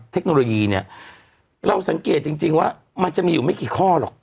เทคโนโลยีเนี่ยเราสังเกตจริงว่ามันจะมีอยู่ไม่กี่ข้อหรอก